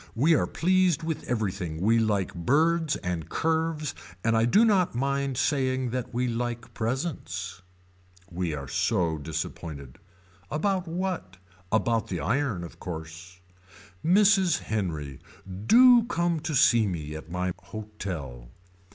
We are pleased with everything. We like birds and curves and I do not mind saying that we like presents. We are so disappointed. About what. About the iron of course. Mrs. Henry. Do come to see me at my hotel.